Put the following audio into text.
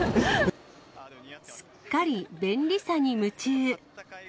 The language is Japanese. すっかり便利さに夢中。